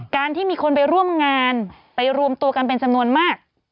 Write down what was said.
ที่มีคนไปร่วมงานไปรวมตัวกันเป็นจำนวนมาก